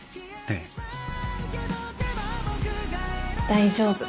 大丈夫。